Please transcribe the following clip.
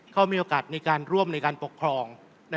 เขามีโอกาสในการร่วมในการปกครอง